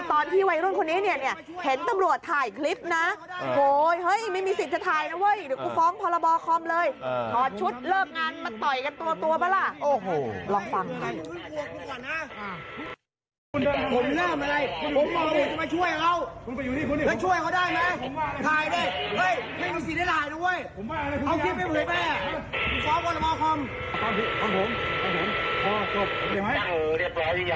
ใครก็เป็นนักนักม่วย